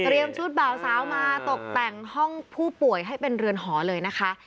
ชุดบ่าวสาวมาตกแต่งห้องผู้ป่วยให้เป็นเรือนหอเลยนะคะ